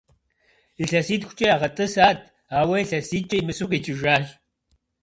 Илъэситхукӏэ ягъэтӏысат, ауэ илъэситӏкӏэ имысу къикӏыжащ.